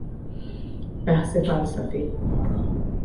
بحث فلسفی